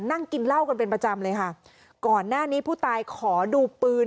นั่งกินเหล้ากันเป็นประจำเลยค่ะก่อนหน้านี้ผู้ตายขอดูปืน